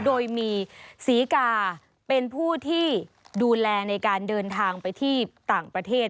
โดยมีศรีกาเป็นผู้ที่ดูแลในการเดินทางไปที่ต่างประเทศ